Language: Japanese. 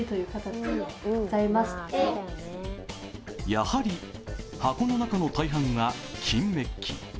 やはり箱の中の大半が金めっき。